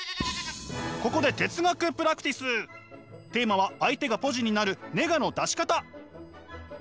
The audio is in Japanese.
ここでテーマは相手がポジになるネガの出し方。